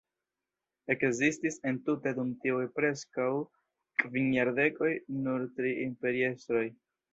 Ekzistis entute dum tiuj preskaŭ kvin jardekoj nur tri imperiestroj.